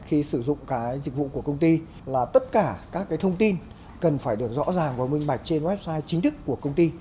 khi sử dụng cái dịch vụ của công ty là tất cả các cái thông tin cần phải được rõ ràng và minh mạch trên website chính thức của công ty